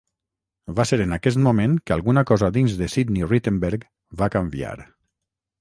Va ser en aquest moment que alguna cosa dins de Sidney Rittenberg va canviar.